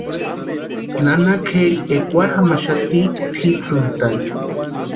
Nana kʼeri ekwarhu jamaxati tʼitsíntani.